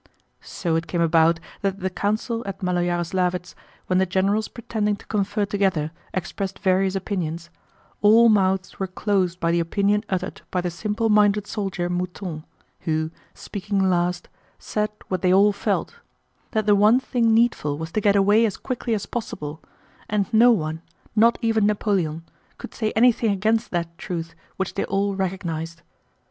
So it came about that at the council at Málo Yaroslávets, when the generals pretending to confer together expressed various opinions, all mouths were closed by the opinion uttered by the simple minded soldier Mouton who, speaking last, said what they all felt: that the one thing needful was to get away as quickly as possible; and no one, not even Napoleon, could say anything against that truth which they all recognized.